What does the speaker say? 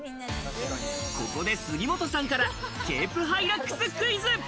ここで杉本さんからケープハイラックスクイズ。